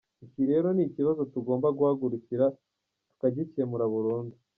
Iki rero ni ikibazo tugomba guhagurukira tukagikemura burundu”.